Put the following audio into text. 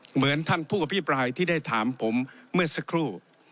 เหมือนท่านผู้อภิปรายที่ได้ถามผมเมื่อสักครู่